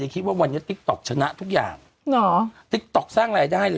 ปีนี่ก็ไม่รู้เรื่องเหรอ